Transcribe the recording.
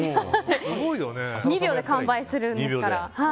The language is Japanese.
２秒で完売するんですから。